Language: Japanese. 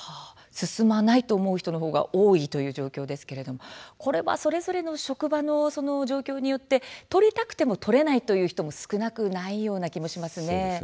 進まないと思う人の方が多いという状況ですけれどもこれは、それぞれの職場の状況によって取りたくても取れないという人も少なくないような気がしますね。